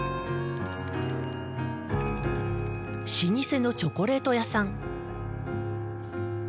老舗のチョコレート屋さん。